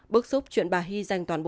bước xúc chuyện bà hy dành toàn bộ